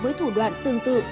với thủ đoạn tương tự